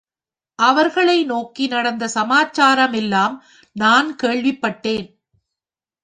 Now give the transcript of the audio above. அவர்களை நோக்கி, நடந்த சமாச்சாரம் எல்லாம் நான் கேள்விப்பட்டேன்.